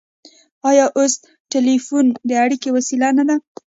آیا اوس ټیلیفون د اړیکې وسیله نه ده؟